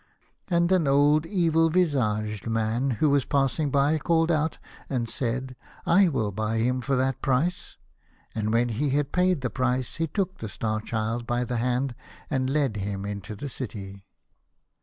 And an old and evil visaged man who was passing by called out, and said, " I will buy him for that price," and, when he had paid the price, he took the Star Child by the hand and led him into the city.